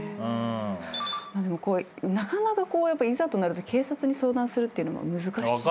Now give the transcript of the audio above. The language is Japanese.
なかなかいざとなると警察に相談するっていうのも難しい。